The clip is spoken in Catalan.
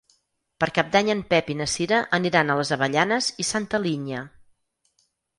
Per Cap d'Any en Pep i na Cira aniran a les Avellanes i Santa Linya.